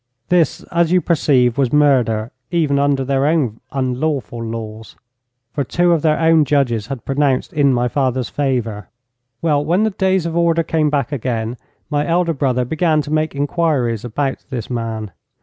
This, as you perceive, was murder, even under their own unlawful laws, for two of their own judges had pronounced in my father's favour. 'Well, when the days of order came back again, my elder brother began to make inquiries about this man.